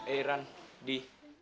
eh ran di